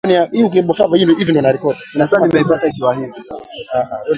Utamaduni ni mfumo wa maisha ya watu katika jamii